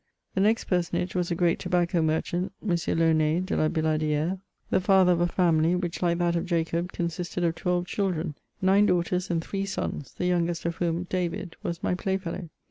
The next personage was a great tobacco merchant, M. Launay de La Billardi^re, the father of a family, which, like that of Jacob, consisted of twelve children, nine daughters and three sons, the youngest of whom, David was my playfellow.'